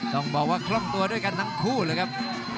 ต้องบอกว่าคล่องตัวด้วยกันทั้งคู่เลยครับ